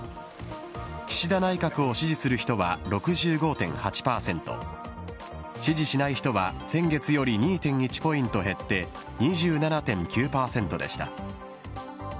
岸田内閣を支持する人は６５．８％、支持しない人は先月より２．１ポイント減って２７．９％でした。